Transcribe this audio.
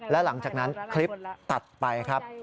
และหลังจากนั้นคลิปตัดไปครับ